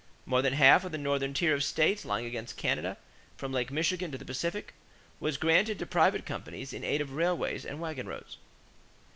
More than half of the northern tier of states lying against Canada from Lake Michigan to the Pacific was granted to private companies in aid of railways and wagon roads.